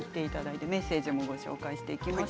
メッセージをご紹介していきます。